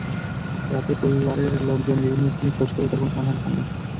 রাতে পরিবারের লোকজন বিভিন্ন স্থানে খোঁজ করেও তাঁর কোনো সন্ধান পাননি।